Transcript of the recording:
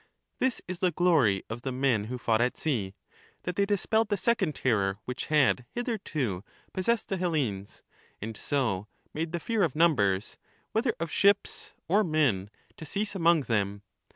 This is the glory of the men who fought at sea, that they dispelled the second terror which had hitherto possessed the Hellenes, and so made the fear of numbers, whether of ships or men, to cease among them.